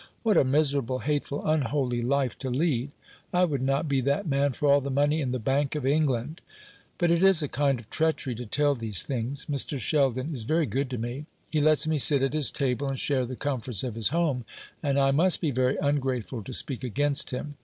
What a miserable, hateful, unholy life to lead! I would not be that man for all the money in the Bank of England. But it is a kind of treachery to tell these things. Mr. Sheldon is very good to me. He lets me sit at his table and share the comforts of his home, and I must be very ungrateful to speak against him.